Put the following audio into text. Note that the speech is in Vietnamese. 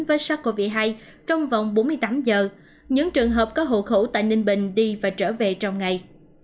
với sars cov hai trong vòng bốn mươi tám giờ những trường hợp có hộ khẩu tại ninh bình đi và trở về trong ngày